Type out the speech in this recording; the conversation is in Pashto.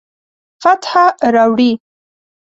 فتح راوړي